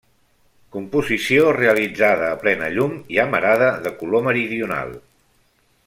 Composició realitzada a plena llum i amarada de color meridional.